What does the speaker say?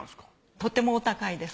とてもお高いです。